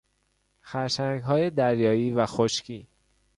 خرچنگهای دریایی و خشکی